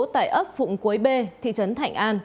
tại ấp phụng quấy b thị trấn thạnh an